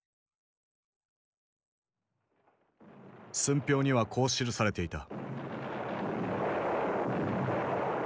寸評にはこう記されていた。